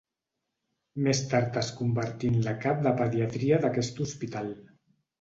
Més tard es convertí en la cap de pediatria d'aquest hospital.